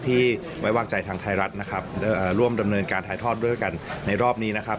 ที่ไว้วางใจทางไทยรัฐนะครับร่วมดำเนินการถ่ายทอดด้วยกันในรอบนี้นะครับ